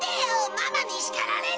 ママに叱られる！